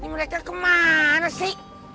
nih mereka kemana sih